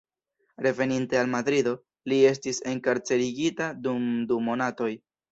Reveninte al Madrido, li estis enkarcerigita dum du monatoj.